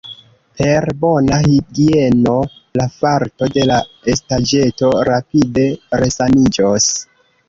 Per bona higieno la farto de la estaĵeto rapide resaniĝos.